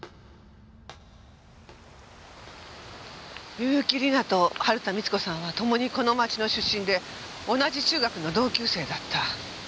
結城里奈と春田美津子さんはともにこの町の出身で同じ中学の同級生だった。